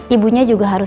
ibunya juga harus